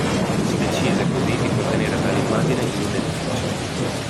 Si decise così di contenere tale immagine in un edificio.